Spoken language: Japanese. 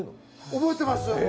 覚えてます。